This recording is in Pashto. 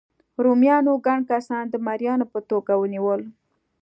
رومیانو ګڼ کسان د مریانو په توګه ونیول.